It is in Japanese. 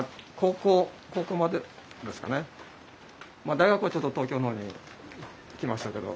大学はちょっと東京のほうに行きましたけど。